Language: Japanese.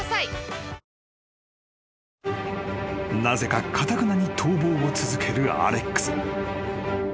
［なぜかかたくなに逃亡を続けるアレックス］